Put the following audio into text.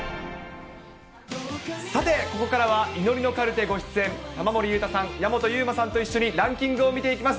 さて、ここからは祈りのカルテご出演、玉森裕太さん、矢本悠馬さんと一緒にランキングを見ていきます。